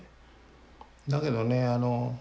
だけどね